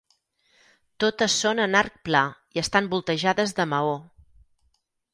Totes són en arc pla i estan voltejades de maó.